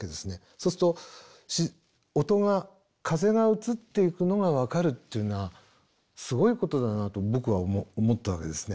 そうすると音が風が移っていくのが分かるっていうのはすごいことだなと僕は思ったわけですね。